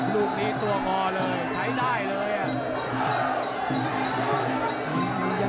ลูกนี้ตัวพอเลยใช้ได้เลยอ่ะ